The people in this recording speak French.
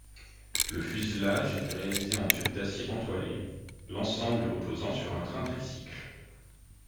Le fuselage était réalisé en tubes d’acier entoilés, l’ensemble reposant sur un train tricycle.